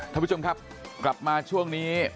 ท่านผู้ชมครับกลับมาช่วงนี้